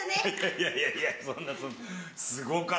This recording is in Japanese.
いやいやいや、そんな、そんな。